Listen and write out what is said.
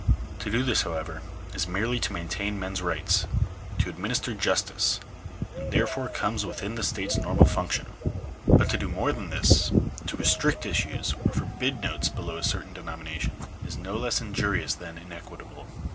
To do this, however, is merely to maintain men's rights — to administer justice ; and therefore comes within the state's normal function. But to do more than this — to restrict issues, or forbid notes below a certain denomination, is no less injurious than inequit able.